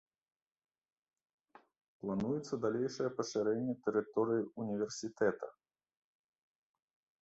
Плануецца далейшае пашырэнне тэрыторыі ўніверсітэта.